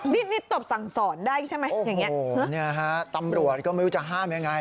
นี่นิดตบสั่งสอนได้ใช่ไหมอย่างนี้เนี่ยฮะตำรวจก็ไม่รู้จะห้ามยังไง